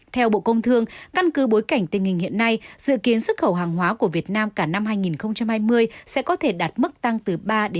theo bộ công thương căn cứ bối cảnh tình hình hiện nay dự kiến xuất khẩu hàng hóa của việt nam cả năm hai nghìn hai mươi sẽ có thể đạt mức tăng từ ba năm